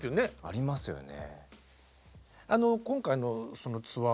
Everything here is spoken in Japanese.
ありますよね。